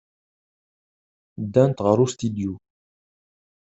Ddant ɣer ustidyu.